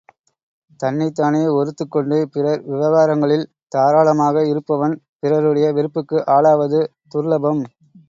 தன்னைத்தானே ஒறுத்துக் கொண்டு, பிறர் விவகாரங்களில் தாராளமாக இருப்பவன், பிறருடைய வெறுப்புக்கு ஆளாவது துர்லபம்!